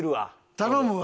頼むわ。